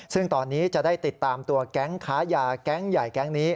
ซึ่งตอนนี้จะได้ติดตามตัวแก๊งค้ายาแก๊งใหญ่แก๊งนี้